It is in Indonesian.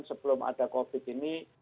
sebelum ada covid ini